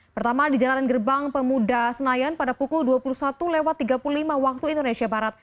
pertama di jalanan gerbang pemuda senayan pada pukul dua puluh satu tiga puluh lima waktu indonesia barat